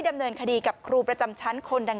และก็มีใครต้องการแนบเด่น